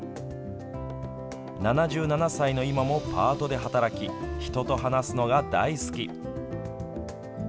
７７歳の今もパートで働き人と話すのが大好き。